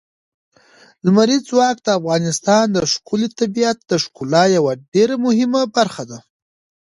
لمریز ځواک د افغانستان د ښکلي طبیعت د ښکلا یوه ډېره مهمه برخه ده.